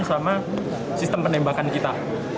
sama sistem penembakan kita